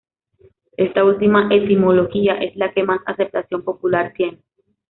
Esta última etimología es la que más aceptación popular tiene.